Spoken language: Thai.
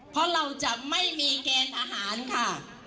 เพราะเราจะไม่มีเกณฑ์ทหารค่ะ